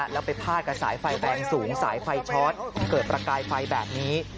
แล้วไปพาดกับสายไฟแรงสูงสายไฟช็อตเกิดประกายไฟแบบนี้